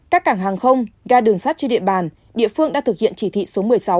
các cảng hàng không ga đường sắt trên địa bàn địa phương đã thực hiện chỉ thị số một mươi sáu